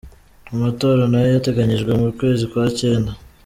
Amatora nayo ateganyijwe mu kwezi kwa cyenda.